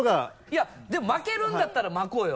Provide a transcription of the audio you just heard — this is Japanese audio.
いやでも巻けるんだったら巻こうよ。